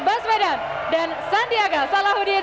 bas medan dan sandiaga salahuddin uno